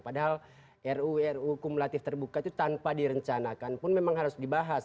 padahal ru ruu kumulatif terbuka itu tanpa direncanakan pun memang harus dibahas